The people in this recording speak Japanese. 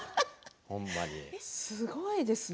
すごいですね。